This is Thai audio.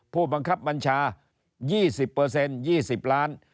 ผู้บังคับบัญชา๒๐๒๐ล้าน